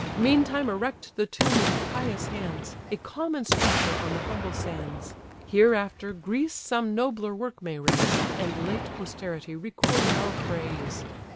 Meantime erect the tomb with pious hands, A common structure on the humble sands: Hereafter Greece some nobler work may raise, And late posterity record our praise!"